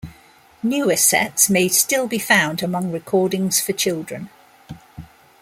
Newer sets may still be found among recordings for children.